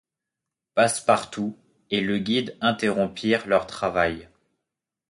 Passepartout et le guide interrompirent leur travail.